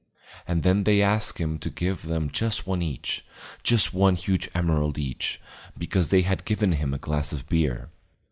And then they asked him to give them just one each, just one huge emerald each, because they had given him a glass of beer.